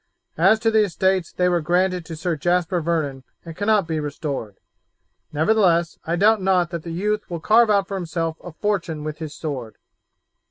As to the estates, they were granted to Sir Jasper Vernon and cannot be restored. Nevertheless I doubt not that the youth will carve out for himself a fortune with his sword.